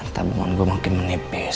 tabungan gua makin menipis